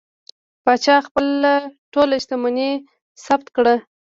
پاچا خپله ټوله شتمني ثبت کړه.